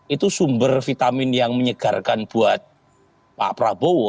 itu sumber vitamin yang menyegarkan buat pak prabowo